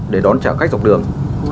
để đón trả khách dọc đường